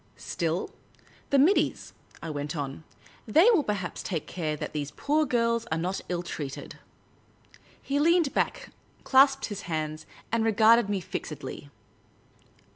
" Still — the middies," I went on ;" they will perhaps take care that these poor girls are not ill treated." He leaned back, clasped his hands, and regarded me fixedly.